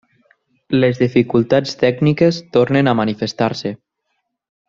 Les dificultats tècniques tornen a manifestar-se.